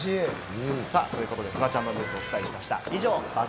ということで、フワちゃんのニュース、お伝えしました。